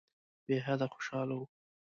بېحده خوشاله وو.